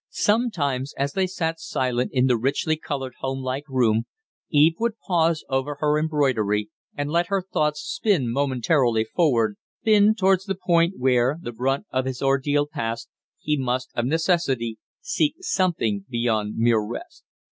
Sometimes, as they sat silent in the richly colored, homelike room, Eve would pause over her embroidery and let her thoughts spin momentarily forward spin towards the point where, the brunt of his ordeal passed, he must, of necessity, seek something beyond mere rest.